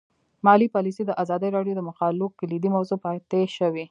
مالي پالیسي د ازادي راډیو د مقالو کلیدي موضوع پاتې شوی.